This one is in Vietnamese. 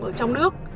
ở trong nước